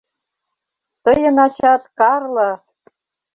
— Тыйын ачат — Карло!